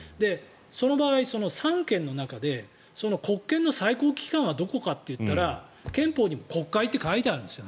その場合、三権の中で国権の最高機関はどこかといったら憲法にも国会って書いてあるんです。